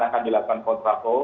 akan dilakukan kontrasol